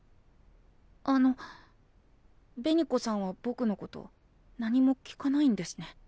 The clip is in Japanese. あの紅子さんはぼくのこと何も聞かないんですね。